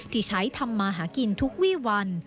ที่ใช้ทำมาหากินทุกวี่วัน